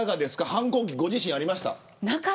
反抗期、ご自身はありましたか。